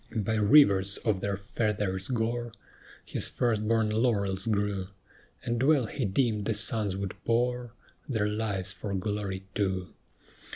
By rivers of their fathers' gore His first born laurels grew, And well he deemed the sons would pour Their lives for glory too.